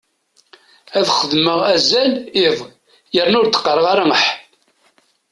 Ad xedmeɣ azal iḍ yerna ur d-qqareɣ ara aḥ.